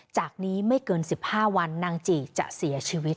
จากนี้ไม่เกิน๑๕วันนางจีจะเสียชีวิต